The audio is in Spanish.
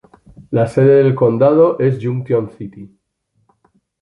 La sede de condado es Junction City.